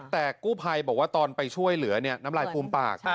แต่กู้ภัยบอกว่าตอนไปช่วยเหลือน้ำลายฟูมปาก